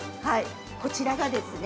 ◆こちらがですね